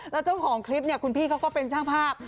แล้วเจ้าของคลิปเนี่ยคุณพี่เขาก็เป็นช่างภาพ